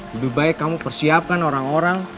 lebih baik kamu persiapkan orang orang